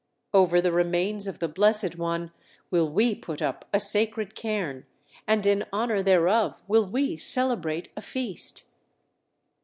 Over the remains of the Blessed One will we put up a sacred cairn, and in honor thereof will we celebrate a feast!"